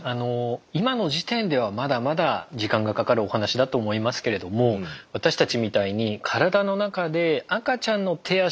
今の時点ではまだまだ時間がかかるお話だと思いますけれども私たちみたいに体の中で赤ちゃんの手足のもとみたいなものを作ってですね